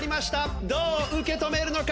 どう受け止めるのか？